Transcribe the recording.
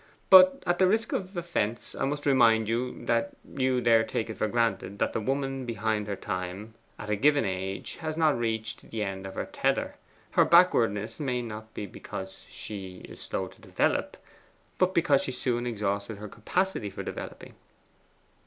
But at the risk of offence I must remind you that you there take it for granted that the woman behind her time at a given age has not reached the end of her tether. Her backwardness may be not because she is slow to develop, but because she soon exhausted her capacity for developing.